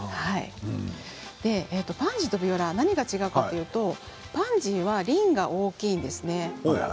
パンジーとビオラ何が違うかというとパンジーは輪が大きいんですね。